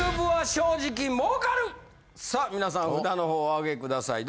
さあ皆さん札のほうお上げください。